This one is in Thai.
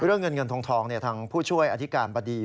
เรื่องเงินเงินทองทางผู้ช่วยอธิการบดี